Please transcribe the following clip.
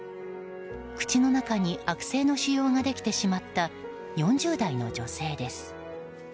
口の中に悪性の腫瘍ができてしまった４０代の女性です。